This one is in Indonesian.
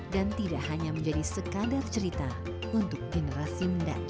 dan tidak hanya menjadi sekadar cerita untuk generasi mendatang